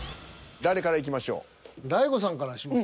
誰からいきましょう？にします？